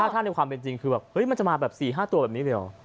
ถ้าในความเป็นจริงคือแบบมันจะมาแบบ๔๕ตัวแบบนี้เลยเหรอ